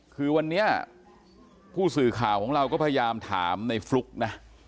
คือวันนี้ผู้สื่อข่าวของเราก็พยายามถามในฟลุ๊กนะ